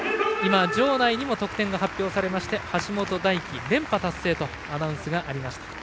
場内にも得点が発表されまして橋本大輝、連覇達成とアナウンスがありました。